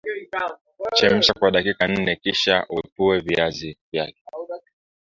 Chemsha kwa dakika nne kisha uepue viazi vyake